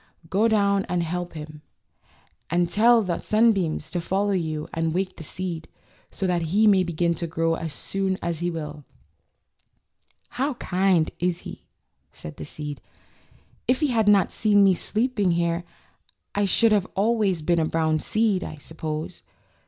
Go down and help him, and tell 100 THE LITTLE SEED. the sunbeams to follow you and wake the seed, so that he may begin to grow as soon as he will/ ^^How kind he is!'^ said the seed. ''If he had not seen me sleeping here I should have always been a brown seed, I suppose.